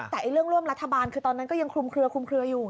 แต่เรื่องร่วมรัฐบาลคือตอนนั้นก็ยังคลุมเคลือคลุมเคลืออยู่